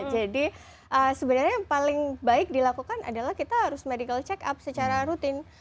jadi sebenarnya yang paling baik dilakukan adalah kita harus medical check up secara rutin